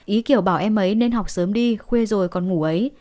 ý kiểu bảo em ấy nên học sớm đi khuê rồi còn ngủ ấy